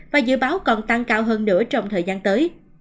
và dự báo còn tăng cao hơn nữa trong thời gian tới